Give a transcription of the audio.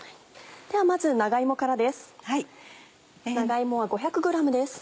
ではまず長芋からです。